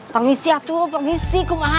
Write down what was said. permisi atu permisi kumaha